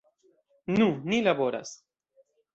Nu, ni laboras.